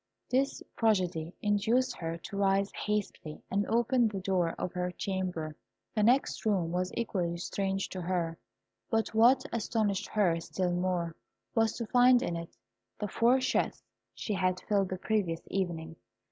This prodigy induced her to rise hastily, and open the door of her chamber. The next room was equally strange to her; but what astonished her still more, was to find in it the four chests she had filled the previous evening.